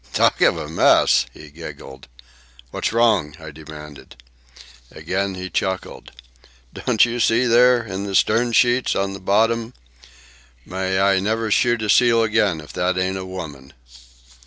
"Talk of a mess!" he giggled. "What's wrong?" I demanded. Again he chuckled. "Don't you see there, in the stern sheets, on the bottom? May I never shoot a seal again if that ain't a woman!"